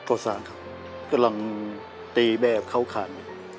ก่อสร้างครับกำลังตีแบบเข้าข่าย